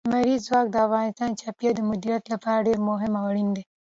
لمریز ځواک د افغانستان د چاپیریال د مدیریت لپاره ډېر مهم او اړین دي.